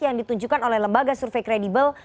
yang ditunjukkan oleh lembaga survei kredibel